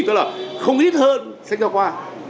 tức là không ít hơn sách giáo khoa